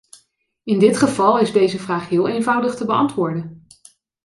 In dit geval is deze vraag heel eenvoudig te beantwoorden.